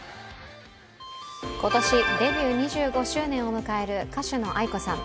今年デビュー２５周年を迎える歌手のａｉｋｏさん。